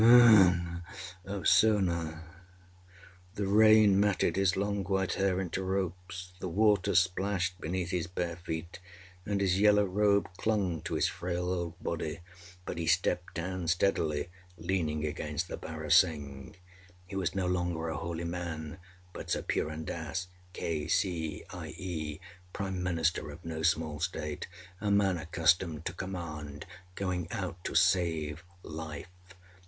uhh! of Sona. The rain matted his long white hair into ropes; the water splashed beneath his bare feet, and his yellow robe clung to his frail old body, but he stepped down steadily, leaning against the barasingh. He was no longer a holy man, but Sir Purun Dass, K.C.I.E., Prime Minister of no small State, a man accustomed to command, going out to save life.